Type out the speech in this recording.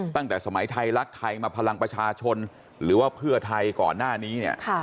ตั้งแต่สมัยไทยรักไทยมาพลังประชาชนหรือว่าเพื่อไทยก่อนหน้านี้เนี่ย